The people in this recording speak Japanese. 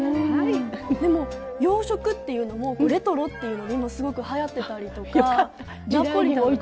でも洋食っていうのもレトロっていうのが今、すごく、はやってたりとか。